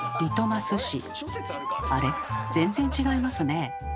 あれ全然違いますね。